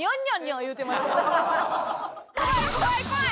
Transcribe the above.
怖い怖い怖い！